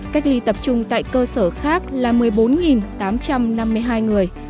cách ly tập trung tại cơ sở khác là một mươi bốn tám trăm năm mươi hai người